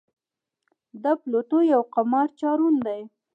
د پلوټو یو قمر چارون دی.